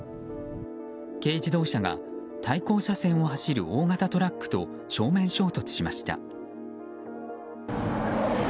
軽自動車が対向車線を走る大型トラックと正面衝突しました。